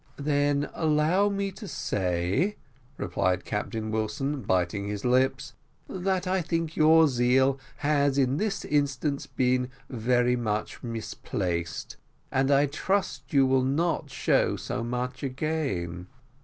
"Then allow me to say," replied Captain Wilson, biting his lips, "that I think that your zeal has in this instance been very much misplaced, and I trust you will not show so much again."